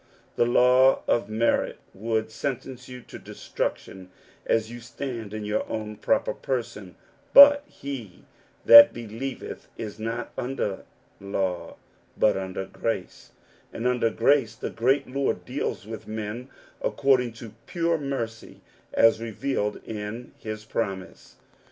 The law c^^ merit would sentence you to destruction as yo'^ stand in your own proper person ; but he that be^^ lieveth is not under law, but under grace ; and un ^ der grace the great Lord deals with men accordin to pure mercy as revealed in his promise.